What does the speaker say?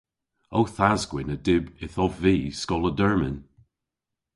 Ow thas-gwynn a dyb yth ov vy skoll a dermyn.